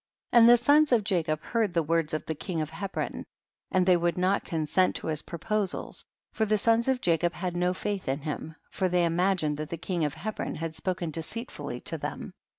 41. And "the sons of Jacob heard the words of the king of Hebron, and they would not consent to his proposals, for the sons of Jacob had no faith in him, for they imagined that the king of Hebron had spoken deceitfully to them.